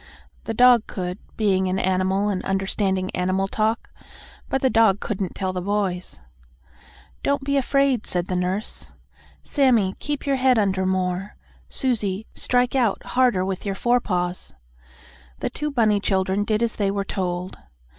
The dog could, being an animal and understanding animal talk, but the dog couldn't tell the boys. "Don't be afraid," said the nurse. "Sammie, keep your head under more. Susie, strike out harder with your forepaws." The two bunny children did as they were told.